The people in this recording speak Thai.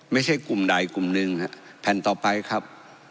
ไม่ใช่กลุ่มใดกลุ่มหนึ่งแผ่นต่อไปครับ